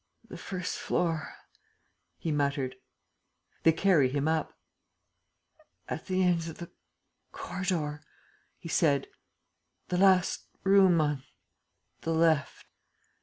"The first floor," he muttered. They carried him up. "At the end of the corridor," he said. "The last room on the left."